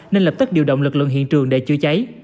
nên lập tức điều động lực lượng hiện trường để chữa cháy